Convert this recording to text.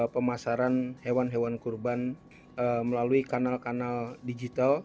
pemasaran hewan hewan kurban melalui kanal kanal digital